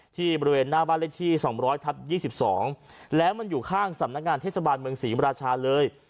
บริเวณหน้าบ้านเลขที่๒๐๐ทับ๒๒แล้วมันอยู่ข้างสำนักงานเทศบาลเมืองศรีมราชาเลย